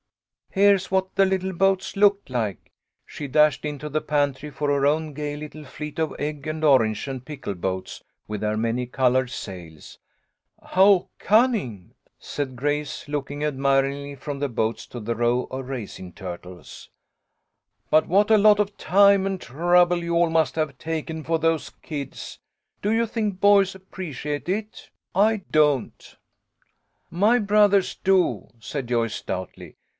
Here's what the little boats looked like." She dashed into the pantry for her own gay little fleet of egg and orange and pickle boats with their many coloured sails. " How cunning !" said Grace, looking admiringly from the boats to the row of raisin turtles. "But what a lot of time and trouble you all must have taken for those kids. Do you think boys appreciate it? I don't." "My brothers do," said Joyce, stoutly.